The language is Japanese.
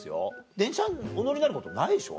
電車お乗りになることないでしょ？